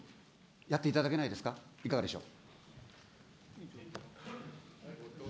やっていただけないですか、いかがでしょう。